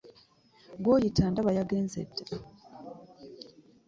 Gw'oyita ndaba yagenze dda!